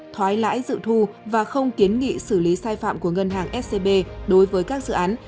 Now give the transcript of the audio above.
thoái lãi dự thu và không kiến nghị xử lý sai phạm của ngân hàng scb đối với các dự án